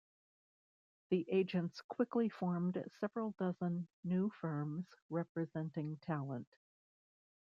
The agents quickly formed several dozen new firms, representing talent.